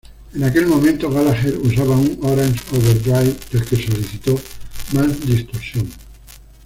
En aquel momento Gallagher usaba un Orange Overdrive del que solicitó más distorsión.